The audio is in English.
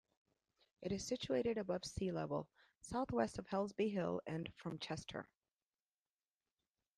It is situated above sea level, south west of Helsby Hill, and from Chester.